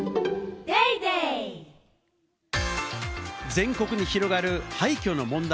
全国に広がる廃墟の問題。